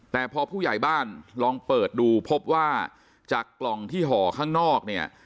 แต่พอผู้ใหญ่บ้านลองเปิดดูพบว่าจากกล่องที่ห่อข้างนอกเนี่ย